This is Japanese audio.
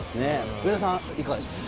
上田さん、いかがですか？